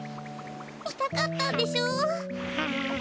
みたかったんでしょ？はあ。